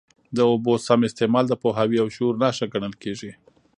د اوبو سم استعمال د پوهاوي او شعور نښه ګڼل کېږي.